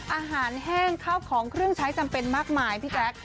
อาหารแห้งข้าวของเครื่องใช้จำเป็นมากมายพี่แจ๊ค